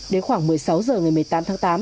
đến khoảng một mươi sáu h ngày một mươi tám tháng tám